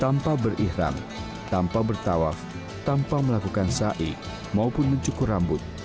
tanpa berikhram tanpa bertawaf tanpa melakukan sa'i maupun mencukur rambut